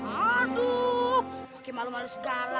aduh pake malu malu segala